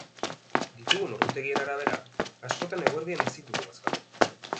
Ditugun ordutegien arabera, askotan eguerdian ezin dugu bazkaldu.